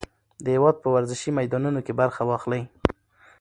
د هېواد په ورزشي میدانونو کې برخه واخلئ.